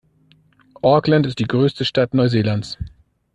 Auckland ist die größte Stadt Neuseelands.